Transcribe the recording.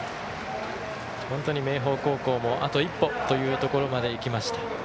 本当に明豊高校もあと一歩というところまでいきました。